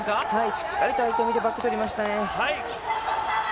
しっかりと相手を見てバックを取りましたね。